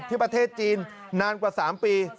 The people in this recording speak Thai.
ประเทศจีนนานกว่า๓ปี